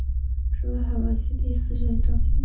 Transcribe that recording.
是为海王星系列的第四部正篇。